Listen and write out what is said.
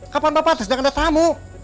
kapan bapak tess gak ada tamu